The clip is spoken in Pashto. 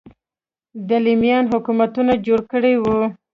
دیلمیان حکومتونه جوړ کړي وو